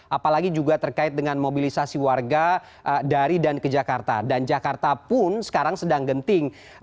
apalagi juga terkait dengan mobilisasi warga dari dan ke jakarta dan jakarta pun sekarang sedang genting